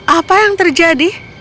apa yang terjadi